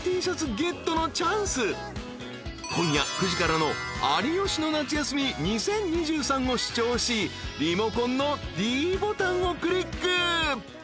［今夜９時からの『有吉の夏休み２０２３』を視聴しリモコンのｄボタンをクリック］